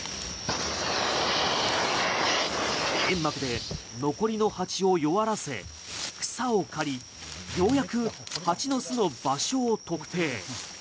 煙幕で残りの蜂を弱らせ草を刈りようやく蜂の巣の場所を特定。